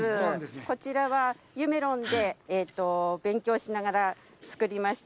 こちらは、ゆめろんで勉強しながら作りました。